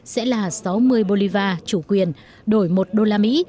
sẽ là sáu mươi bolivar chủ quyền đổi một đô la mỹ